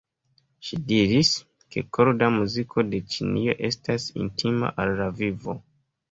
Ŝi diris, ke korda muziko de Ĉinio estas intima al la vivo.